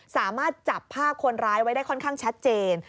สามารถจับภาพคนร้ายไว้ได้ค่อนข้างชัดเจน